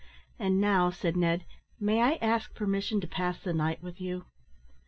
"And now," said Ned, "may I ask permission to pass the night with you?"